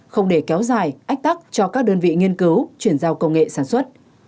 không để kéo dài ách tắc cho các đơn vị nghiên cứu chuyển giao công nghệ sản xuất